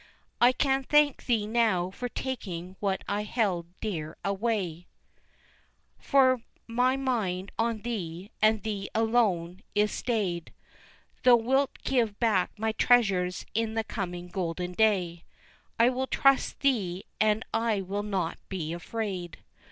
I can thank Thee now for taking what I held dear away, For my mind on Thee, and Thee alone, is stayed, Thou wilt give back my treasures in the coming golden day, I will trust Thee and I will not be afraid.